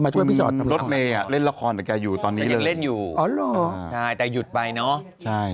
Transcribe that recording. คุณรถเมย์เล่นละครแต่แกอยู่ตอนนี้เลยอ๋อหรอใช่แต่หยุดไปเนาะใช่